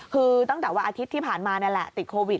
คือตั้งแต่วันอาทิตย์ที่ผ่านมานี่แหละติดโควิด